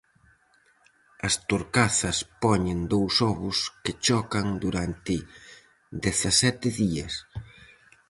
As torcazas poñen dous ovos que chocan durante dezasete días.